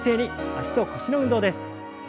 脚と腰の運動です。